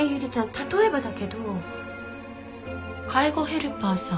例えばだけど介護ヘルパーさん